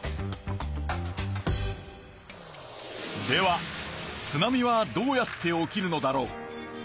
では津波はどうやって起きるのだろう？